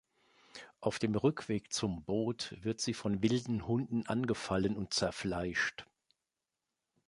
Auf dem Rückweg zum Boot wird sie von wilden Hunden angefallen und zerfleischt.